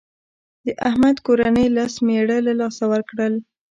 د احمد کورنۍ لس مړي له لاسه ورکړل.